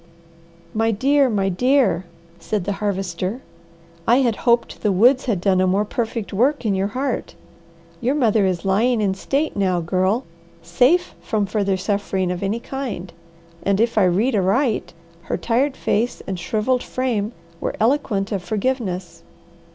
"My dear! My dear!" said the Harvester, "I had hoped the woods had done a more perfect work in your heart. Your mother is lying in state now, Girl, safe from further suffering of any kind; and if I read aright, her tired face and shrivelled frame were eloquent of forgiveness.